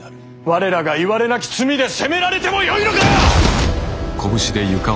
我らがいわれなき罪で責められてもよいのか！